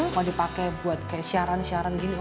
mau dipakai buat kayak syaran syaran gini oke